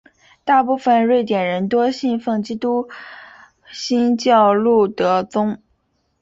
大部分瑞典人多信奉基督新教路德宗。